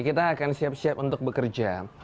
kita akan siap siap untuk bekerja